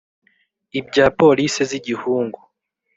ibya police Z' igihungu